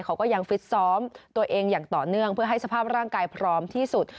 เขาก็ยังฟิตซ้อมตัวเองอย่างต่อเนื่องเพื่อให้สภาพร่างกายพร้อมที่สุด